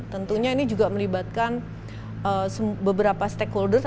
tentunya ini juga melibatkan beberapa stakeholders